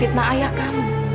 dia memfitnah ayah kamu